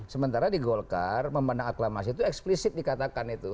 sementara di golkar memandang aklamasi itu eksplisit dikatakan itu